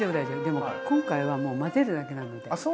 でも今回は混ぜるだけなので。